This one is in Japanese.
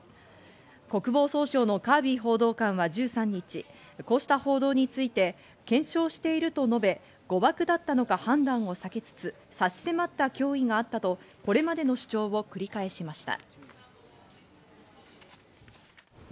国防総省のカービー報道官は１３日、こうした報道について検証していると述べ誤爆だったのか判断をけつつ、差し迫った脅威があったとこれまでの主張を繰り返しました。